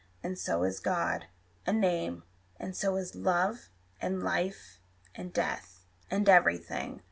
And so is God A name; and so is love, and life, and death, And everything.